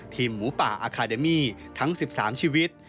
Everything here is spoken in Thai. หมูป่าอาคาเดมี่ทั้ง๑๓ชีวิต